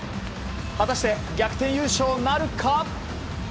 果たして、逆転優勝なるか？